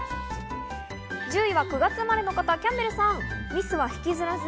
１０位は９月生まれの方、キャンベルさん。